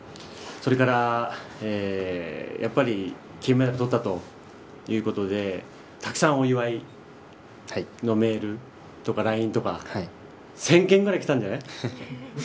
それから、金メダルを取ったということでたくさん、お祝いのメールとかＬＩＮＥとか１０００件ぐらいきたんじゃない。